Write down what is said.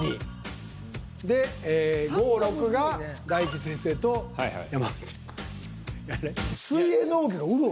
１２。で５６が大吉先生と山内。